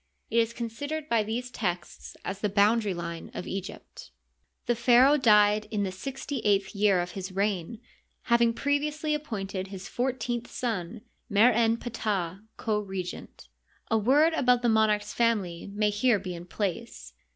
It is con sidered by these texts as the boundary line of Egypt. The pharaoh died in the sixty eighth year of his reign, having previously appointed his fourteenth son, Mer en Ptahy co regent. A word about the monarch's family may here be in place.